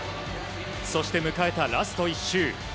そして迎えたラスト１周。